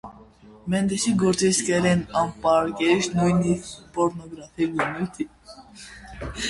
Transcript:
Մենդեսի գործերից կրել են անպարկեշտ, նույնիսկ պոռնոգրաֆիկ բնույթի։